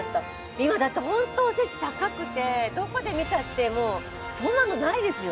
今だってホントおせち高くてどこで見たってもうそんなのないですよ。